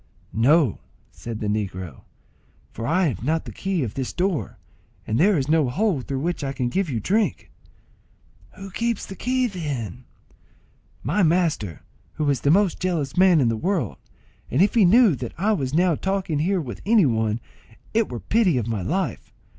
"No," said the negro, "for I have not the key of this door, and there is no hole through which I can give you drink." "Who keeps the key, then?" "My master, who is the most jealous man in the world; and if he knew that I was now talking here with any one, it were pity of my life.